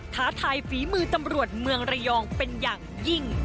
ท้าทายฝีมือตำรวจเมืองระยองเป็นอย่างยิ่ง